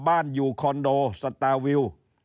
บ้านอยู่คอนโดสตาร์วิว